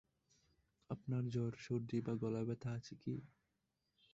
আপনার জ্বর, সর্দি বা গলা ব্যাথা আছে কি?